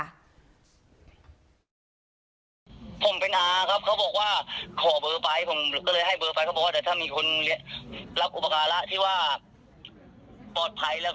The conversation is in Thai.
อาทิตย์หน้านี้คือเริ่มทำใบรับรองหมดแล้ว